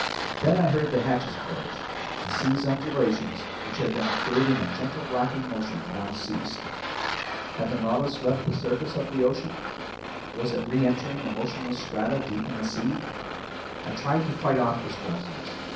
Then I heard the hatches close. The sea's undulations, which had been creating a gentle rocking motion, now ceased. Had the Nautilus left the surface of the ocean? Was it reentering the motionless strata deep in the sea? I tried to fight off this drowsiness.